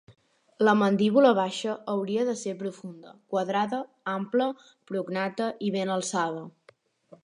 La mandíbula baixa hauria de ser profunda, quadrada, ample, prognata i ben alçada.